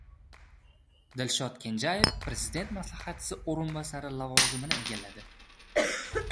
Dilshod Kenjayev prezident maslahatchisi o‘rinbosari lavozimini egalladi